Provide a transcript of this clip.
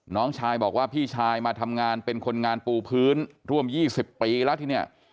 น้องชายบอกว่าพี่ชายมาทำงานเป็นคนงานปูพื้นร่วม๒๐ปีแล้วที่เนี่ย